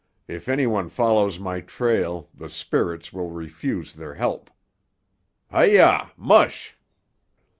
If any one follows my trail the spirits will refuse their help. Hi yah! Mush!"